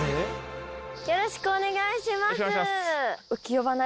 よろしくお願いします。